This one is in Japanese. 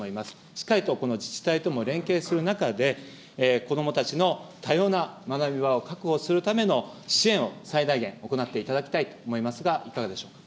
しっかりとこの自治体とも連携する中で、こどもたちの多様な学び場を確保するための支援を最大限行っていただきたいと思いますが、いかがでしょうか。